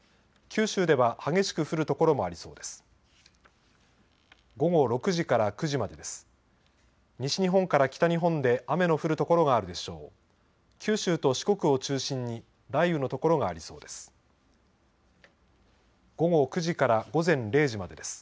九州では激しく降る所もありそうです。